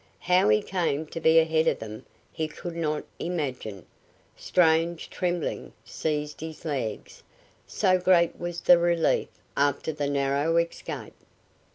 How he came to be ahead of them he could not imagine. Strange trembling seized his legs, so great was the relief after the narrow escape.